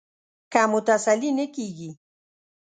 که مو تسلي نه کېږي.